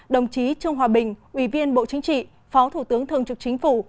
đồng chí trương hòa bình ủy viên bộ chính trị phó thủ tướng thường trực chính phủ